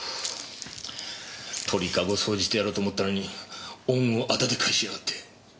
鳥かご掃除してやろうと思ったのに恩をあだで返しやがって。